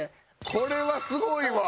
これはすごいわ。